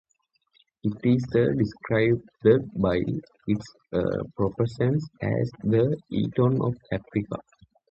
It is described by its proponents as "The Eton of Africa".